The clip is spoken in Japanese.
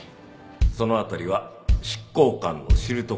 その辺りは執行官の知るところじゃない。